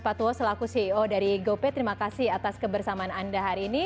pak tua selaku ceo dari gopay terima kasih atas kebersamaan anda hari ini